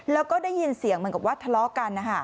แล้วก็ได้ยินเสียงเหมือนกับว่าทะเลาะกัน